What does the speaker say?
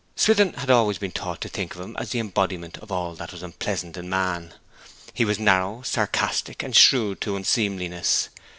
Swithin had always been taught to think of him as the embodiment of all that was unpleasant in man. He was narrow, sarcastic, and shrewd to unseemliness.